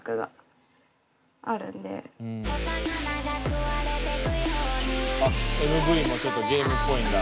ＭＶもちょっとゲームっぽいんだ。